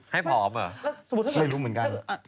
ให้พอบเหรอให้รู้เหมือนกันเหรอสมมุติว่า